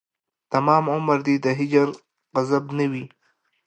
تمام عمر دې د هجر غضب نه وي